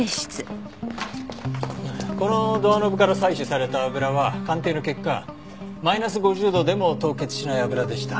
このドアノブから採取された油は鑑定の結果マイナス５０度でも凍結しない油でした。